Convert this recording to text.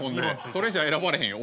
それじゃあ選ばれへんよ。